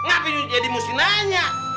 ngapain jadi mesti nanya